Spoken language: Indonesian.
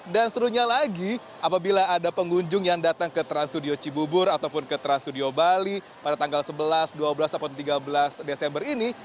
dan serunya lagi apabila ada pengunjung yang datang ke trans studio cibubur ataupun ke trans studio bali pada tanggal sebelas dua belas atau tiga belas desember ini